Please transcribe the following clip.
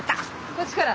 こっちから？